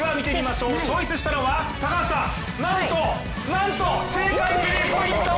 チョイスしたのは、なんと、なんと正解、スリーポイント。